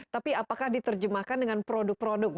tapi apakah diterjemahkan dengan produk produk